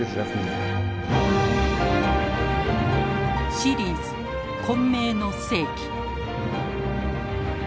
シリーズ「混迷の世紀」。